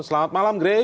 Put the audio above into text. selamat malam grace